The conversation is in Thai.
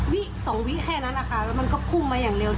วิสองวิแค่นั้นนะคะแล้วมันก็พุ่งมาอย่างเร็ว